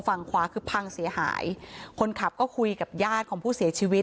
ฝั่งขวาคือพังเสียหายคนขับก็คุยกับญาติของผู้เสียชีวิต